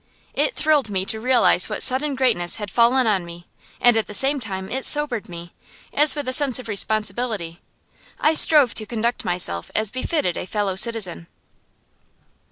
It thrilled me to realize what sudden greatness had fallen on me; and at the same time it sobered me, as with a sense of responsibility. I strove to conduct myself as befitted a Fellow Citizen.